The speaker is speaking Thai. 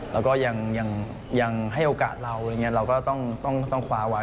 และก็ยังให้โอกาสเราเราก็ต้องคว้าไว้